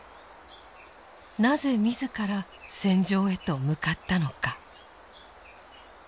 なぜ自ら戦場へと向かったのか。